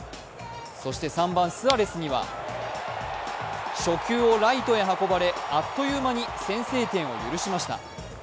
そして３番・スアレスには初球をライトへ運ばれ、あっという間に先制点を許しました。